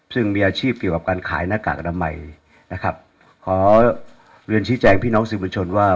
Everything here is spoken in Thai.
ซึ่งมีอาชีพเกี่ยวกับการขายหน้ากากอนามัยนะครับขอเรียนชี้แจงพี่น้องสื่อบัญชนว่า